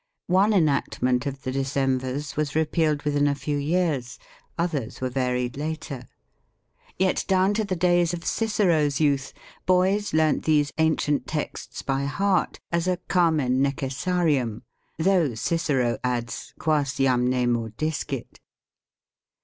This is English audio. One enactment of the De cemvirs was repealed within a few years, others were varied later. Yet down to the days of Cicero's youth boys learnt these ancient texts by heart as a "carmen necessarium," though Cicero adds "quas iam nemo discit